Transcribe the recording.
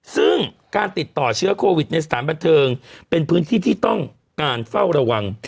ซึ่งการติดเชื้อโควิดในสถานบันเทิงเป็นพื้นที่ที่ต้องการเฝ้าระวัง